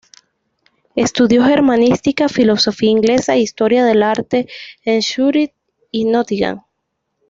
Estudió germanística, filología inglesa e historia del arte en Zúrich y Nottingham.